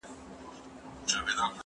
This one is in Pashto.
کېدای سي تمرين ستړي وي؟